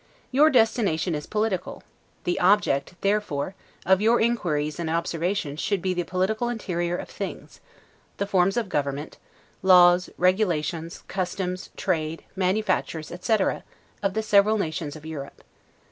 Your destination is political; the object, therefore, of your inquiries and observations should be the political interior of things; the forms of government, laws, regulations, customs, trade, manufactures, etc., of the several nations of Europe.